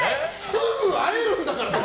すぐ会えるんだから！